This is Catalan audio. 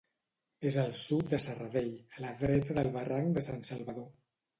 És al sud de Serradell, a la dreta del barranc de Sant Salvador.